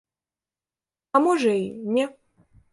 А можа, і не.